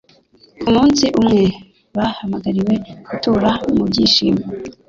kumunsi umwe bahamagariwe gutura mubyishimo